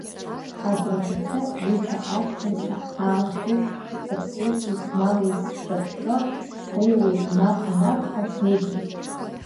Агәрагацәа ҩыџьа аҷкәынцәа аашәышьҭ, сыԥҳәыси смали зҷаԥшьо, снеиуеит, мап анакәха снеиӡом!